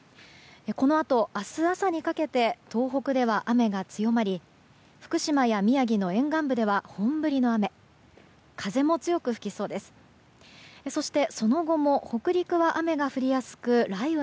このあと、明日朝にかけて東北では雨が強まり福島や宮城の沿岸部では本降りの雨。